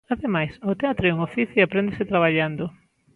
Ademais, o teatro é un oficio e apréndese traballando.